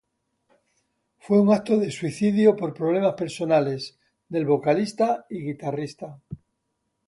Fue un acto de suicidio por problemas personales del vocalista y guitarrista.